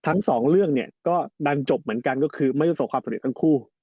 ทั้งสองเรื่องเนี่ยก็ดันจบเหมือนกันก็คือไม่ประสบความสำเร็จทั้งคู่